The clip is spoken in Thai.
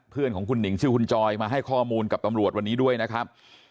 เพื่อนของคุณหนิงชื่อคุณจอยมาให้ข้อมูลกับตำรวจวันนี้ด้วยนะครับ